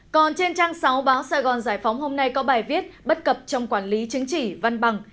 còn trên trang sáu báo sài gòn giải phóng hôm nay có bài viết bất cập trong quản lý chứng chỉ văn bằng